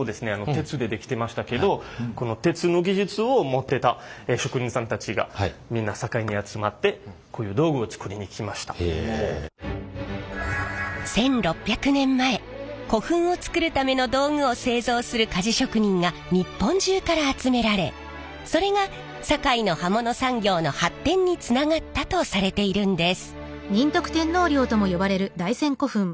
鉄で出来てましたけど１，６００年前古墳をつくるための道具を製造する鍛冶職人が日本中から集められそれが堺の刃物産業の発展につながったとされているんです。